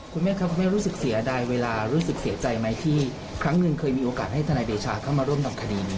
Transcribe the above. คุณแม่ครับคุณแม่รู้สึกเสียดายเวลารู้สึกเสียใจไหมที่ครั้งหนึ่งเคยมีโอกาสให้ทนายเดชาเข้ามาร่วมทำคดีนี้